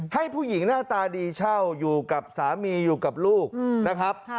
ให้ผู้หญิงหน้าตาดีเช่าอยู่กับสามีอยู่กับลูกนะครับ